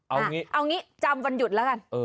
เอางี้จำวันหยุดแล้วกัน